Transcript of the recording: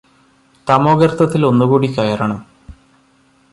തമോഗര്ത്തത്തില് ഒന്നുകൂടി കയറണം